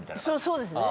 そうですね。